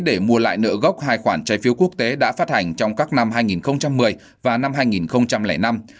để mua lại nợ gốc hai khoản trái phiếu quốc tế đã phát hành trong các năm hai nghìn một mươi và năm hai nghìn năm